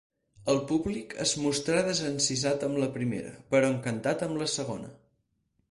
El públic es mostrà desencisat amb la primera, però encantat amb la segona.